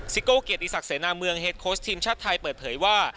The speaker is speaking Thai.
โก้เกียรติศักดิเสนาเมืองเฮดโค้ชทีมชาติไทยเปิดเผยว่า